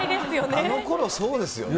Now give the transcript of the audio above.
あの頃そうですよね。